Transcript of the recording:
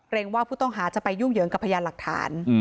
ว่าผู้ต้องหาจะไปยุ่งเหยิงกับพยานหลักฐาน